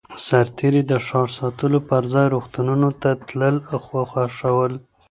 سرتېري د ښار ساتلو پرځای روغتونونو ته تلل خوښ ول.